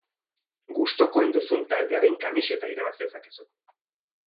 Gustukoen duzun taldearen kamiseta irabazi dezakezu!